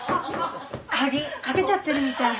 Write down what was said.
鍵掛けちゃってるみたい。